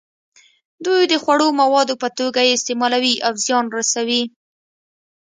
دوی د خوړو موادو په توګه یې استعمالوي او زیان رسوي.